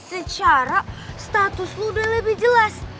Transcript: secara status lo udah lebih jelas